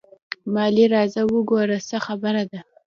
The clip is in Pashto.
مالې راځه وګوره څه خبره ده.